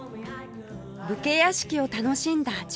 武家屋敷を楽しんだ純ちゃん